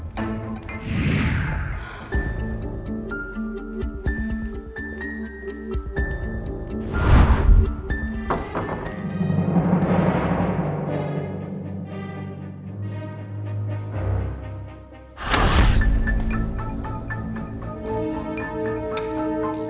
tentara sebodong tante